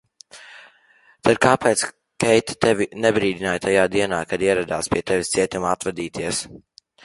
Tad kāpēc Keita tevi nebrīdināja tajā dienā, kad ieradās pie tevis cietumā atvadīties?